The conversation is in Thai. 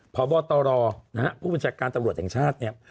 พบตรนะฮะผู้บัญชาการตำรวจแห่งชาติเนี่ย